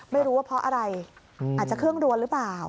ไม่รู้ว่าเพราะอะไรอาจจะเครื่องรัวหรือเปล่า